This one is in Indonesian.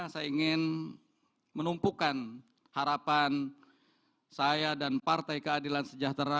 saya ingin menumpukan harapan saya dan partai keadilan sejahtera